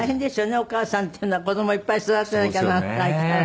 お母さんっていうのは子供いっぱい育てなきゃならないからね。